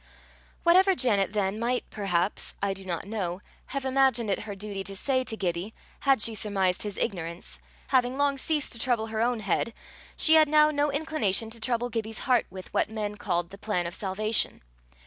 Whatever Janet, then, might, perhaps I do not know have imagined it her duty to say to Gibbie had she surmised his ignorance, having long ceased to trouble her own head, she had now no inclination to trouble Gibbie's heart with what men call the plan of salvation.